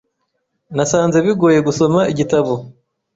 Nasanze bigoye gusoma igitabo .